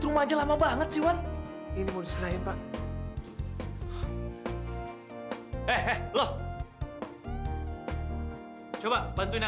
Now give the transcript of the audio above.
sampai jumpa di video selanjutnya